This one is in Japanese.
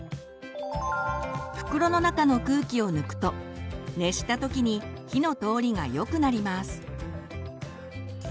袋の中の空気を抜くと熱した時に火の通りがよくなります。